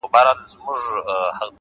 پوهه د فکر تیاره زاویې روښانوي؛